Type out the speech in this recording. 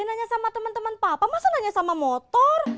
ya nanya sama temen temen bapak masa nanya sama motor